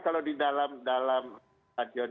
kalau di dalam adion